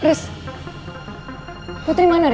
putri sempet ketemu sama pangeran